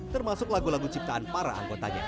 termasuk lagu lagu ciptaan para anggotanya